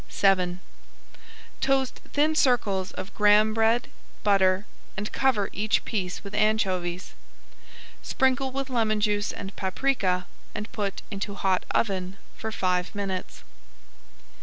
VII Toast thin circles of graham bread, butter, and cover each piece with anchovies. Sprinkle with lemon juice and paprika and put into hot oven for five minutes.